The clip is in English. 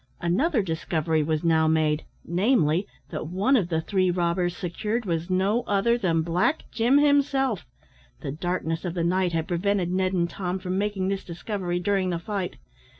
Another discovery was now made, namely, that one of the three robbers secured was no other than Black Jim himself; the darkness of the night had prevented Ned and Tom from making this discovery during the fight.